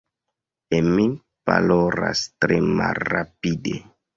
Emil parolas tre malrapide.